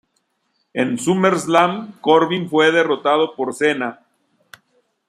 En SummerSlam, Corbin fue derrotado por Cena.